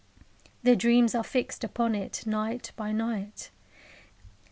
Their dreams are fixed upon it night by night.